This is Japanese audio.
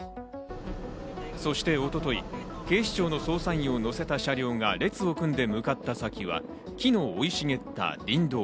そして一昨日、警視庁の捜査員を乗せた車両が列を組んで向かった先は、木の生い茂った林道。